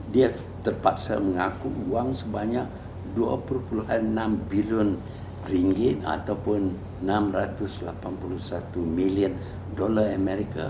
dia terpaksa mengaku uang sebanyak dua puluh enam bilion ringgi ataupun enam ratus delapan puluh satu miliar dolar amerika